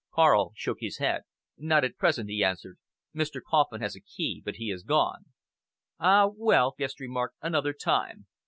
Karl shook his head. "Not at present," he answered. "Mr. Kauffman has a key, but he is gone." "Ah, well!" Guest remarked, "another time.